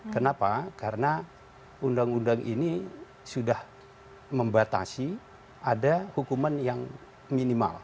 kenapa karena undang undang ini sudah membatasi ada hukuman yang minimal